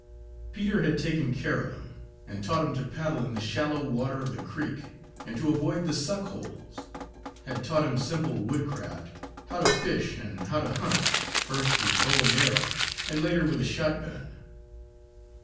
Peter had taken care of him, and taught him to paddle in the shallow water of the creek and to avoid the suck holes; had taught him simple woodcraft, how to fish, and how to hunt, first with bow and arrow, and later with a shotgun.